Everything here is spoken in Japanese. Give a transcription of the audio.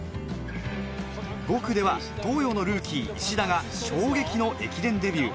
５区では東洋のルーキー・石田が衝撃の駅伝デビュー。